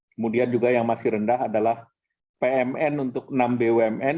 kemudian juga yang masih rendah adalah pmn untuk enam bumn